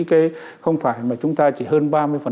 không phải mà chúng ta chỉ hơn ba mươi